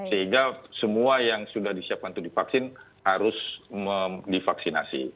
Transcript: sehingga semua yang sudah disiapkan untuk divaksin harus divaksinasi